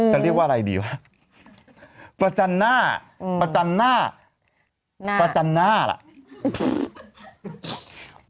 จะเรียกว่าอะไรดีวะประจันหน้าประจันหน้าประจันหน้าล่ะ